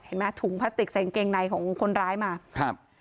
เห็นไหมถุงพลาสติกใส่กางเกงในของคนร้ายมาครับ